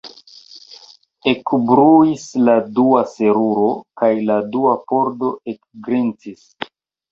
Ekbruis la dua seruro, kaj la dua pordo ekgrincis.